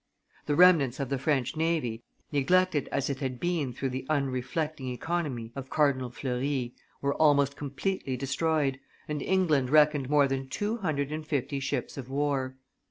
The remnants of the French navy, neglected as it had been through the unreflecting economy of Cardinal Fleury, were almost completely destroyed, and England reckoned more than two hundred and fifty ships of war.